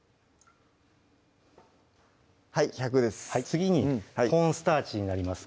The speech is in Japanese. はい１００です